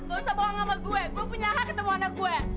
gak usah bohong sama gue gue punya hak ketemu anak gue